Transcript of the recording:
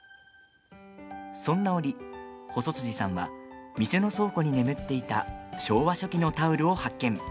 そんな折、細辻さんは店の倉庫に眠っていた昭和初期のタオルを発見。